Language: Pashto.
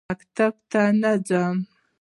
زه مکتب ته نه ځم